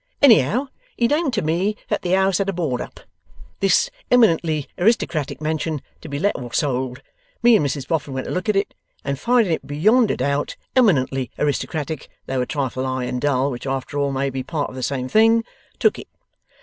Anyhow, he named to me that the house had a board up, "This Eminently Aristocratic Mansion to be let or sold." Me and Mrs Boffin went to look at it, and finding it beyond a doubt Eminently Aristocratic (though a trifle high and dull, which after all may be part of the same thing) took it.